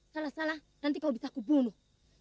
salah salah nanti kau bisa aku bunuh